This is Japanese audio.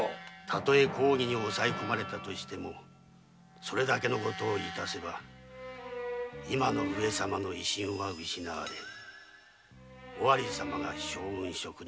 たとえ公儀に抑え込まれたとしてもそれだけの事を致せば今の上様の威信は失われ尾張様が将軍職になられよう。